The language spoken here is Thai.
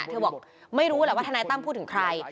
เธอบอกไม่รู้แหละว่าทนายตั้มพูดถึงใคร